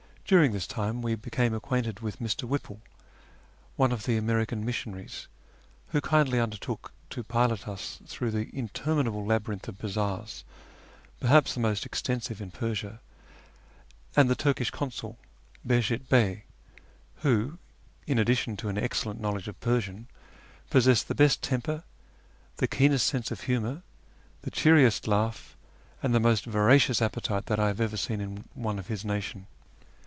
During this time we became acquainted with Mr. Whipple, one of the American missionaries, who kindly undertook to pilot us through the interminable labyrinth of bazaars (perhaps the most extensive in Persia), and the Turkish Consul, Behjet Bey, who, in addition to an excellent knowledge of Persian, possessed the best temper, the keenest sense of humour, the cheeriest laugh, and the most voracious appetite that I have ever seen in one of his nation.